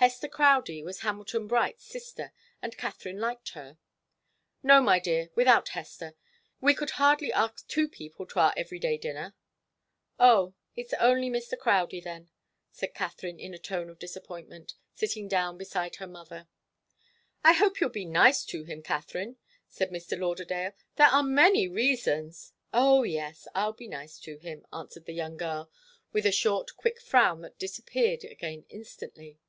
Hester Crowdie was Hamilton Bright's sister, and Katharine liked her. "No, my dear, without Hester. We could hardly ask two people to our every day dinner." "Oh it's only Mr. Crowdie, then," said Katharine in a tone of disappointment, sitting down beside her mother. "I hope you'll be nice to him, Katharine," said Mr. Lauderdale. "There are many reasons " "Oh, yes! I'll be nice to him," answered the young girl, with a short, quick frown that disappeared again instantly.